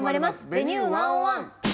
「Ｖｅｎｕｅ１０１」。